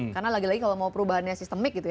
karena lagi lagi kalau mau perubahannya sistemik gitu ya